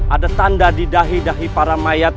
ada tanda di dahi dahi para mayat